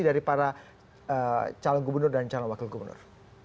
dari para calon gubernur dan calon wakil gubernur